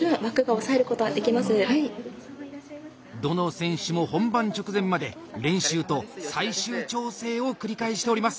どの選手も本番直前まで練習と最終調整を繰り返しております。